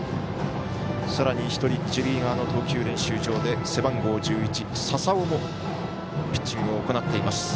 さらに、１人、一塁側の投球練習場で背番号１１、笹尾もピッチングを行っています。